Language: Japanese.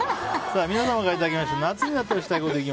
皆さんからいただいた夏になったらしたいこと。